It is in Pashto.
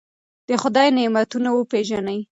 د خدای نعمتونه وپېژنئ.